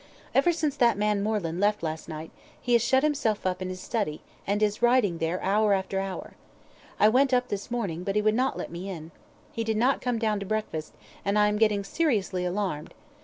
"Ever since that man Moreland left last night, he has shut himself up in his study, and is writing there hour after hour. I went up this morning, but he would not let me in. He did not come down to breakfast, and I am getting seriously alarmed.